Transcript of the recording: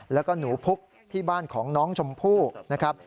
แล้วก็หนูพุกที่บ้านของน้องชมพู่นะครับ